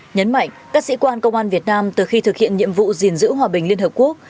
nhấn mạnh các sĩ quan công an việt nam từ khi thực hiện nhiệm vụ gìn giữ hòa bình liên hợp quốc